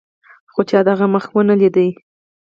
خو چا د هغه مخ نه و لیدلی.